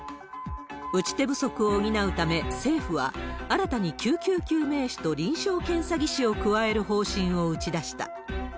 打ち手不足を補うため、政府は、新たに救急救命士と臨床検査技師を加える方針を打ち出した。